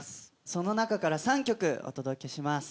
その中から３曲お届けします。